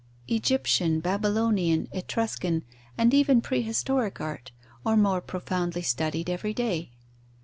Egyptian, Babylonian, Etruscan, and even prehistoric art, are more profoundly studied every day.